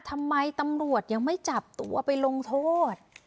ทำไมตำรวจยังไม่จับตัวไปลงโทษ